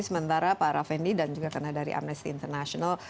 sementara pak raffendi dan juga karena dari amnesty international